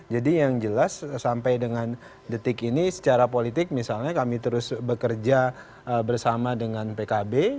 jadi yang jelas sampai dengan detik ini secara politik misalnya kami terus bekerja bersama dengan pkb